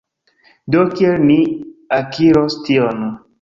Do, kiel ni akiros tion